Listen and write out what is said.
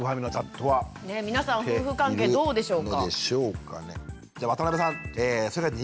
皆さん夫婦関係どうでしょうか。